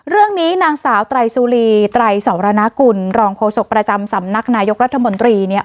เรื่องนี้นางสาวไตรสุรีไตรสรณกุลรองโฆษกประจำสำนักนายกรัฐมนตรีเนี่ย